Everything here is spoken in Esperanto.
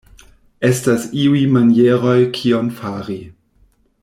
Estas iuj manieroj kion fari.